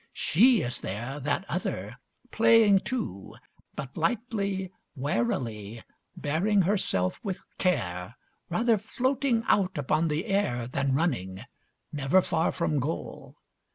She is there, that other, playing too, but lightly, warily, bearing herself with care, rather floating out upon the air than running, never far from goal.